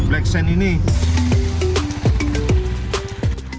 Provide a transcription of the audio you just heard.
tidak ada yang bisa kita lakukan